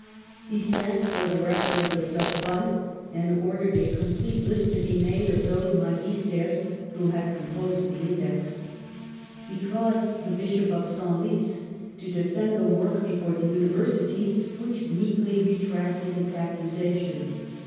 He sent for the Rector of the Sorbonne and ordered a complete list to be made of those magisters who had composed the Index. He caused the Bishop of Senlis to defend the work before the University, which meekly retracted its accusa tion.